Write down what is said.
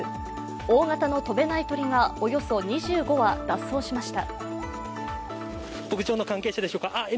大型の飛べない鳥がおよそ２５羽脱走しました。